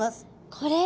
これ。